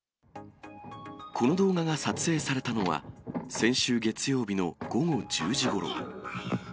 この動画が撮影されたのは、先週月曜日の午後１０時ごろ。